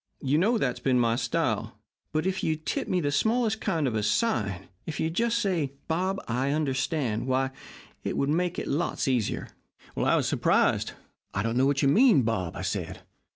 You know that's been my style. But if you'd tip me the smallest kind of a sign if you'd just say, "Bob I understand," why, it would make it lots easier.' "I was surprised. 'I don't know what you mean, Bob,' I said.